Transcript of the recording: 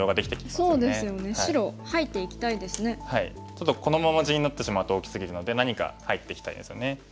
ちょっとこのまま地になってしまうと大きすぎるので何か入っていきたいですよね。